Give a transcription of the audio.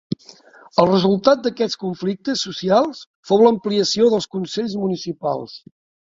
El resultat d'aquests conflictes socials fou l'ampliació dels consells municipals.